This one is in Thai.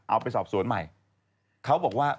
เอาไปสอบสวนใหม่เขาบอกว่า